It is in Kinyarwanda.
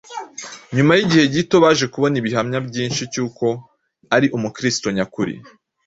Nyuma y’igihe gito baje kubona ibihamya byinshi cy’uko ari Umukristo nyakuri.